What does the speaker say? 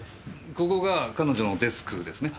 ここが彼女のデスクですね？